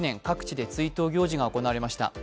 各地で追悼行事が行われました。